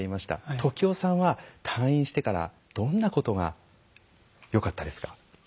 時男さんは退院してからどんなことがよかったですか？